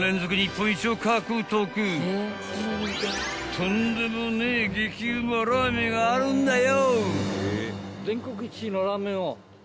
［とんでもねえ激うまラーメンがあるんだよ！］